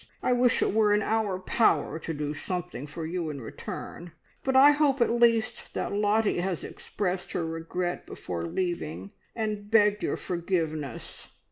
I wish it were in our power to do something for you in return, but I hope at least that Lottie has expressed her regret before leaving, and begged your forgiveness!"